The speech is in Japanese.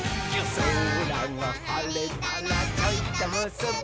「そらがはれたらちょいとむすび」